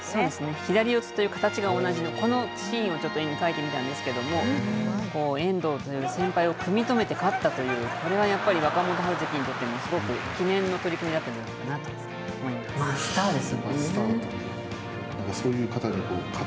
左四つという形が同じのこのシーンをちょっと絵に描いてみたんですけども、遠藤という先輩を組み止めて勝ったという、これはやっぱり若元春関にとっても、すごく記念の取組だったんじゃないかなと思います。